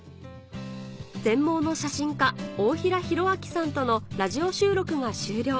全盲の写心家大平啓朗さんとのラジオ収録が終了